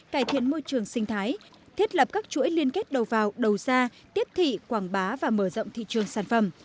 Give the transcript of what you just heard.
cải thiện môi trường sinh thái thiết lập các chuỗi liên kết đầu vào đầu ra tiếp thị quảng bá và mở rộng thị trường sản phẩm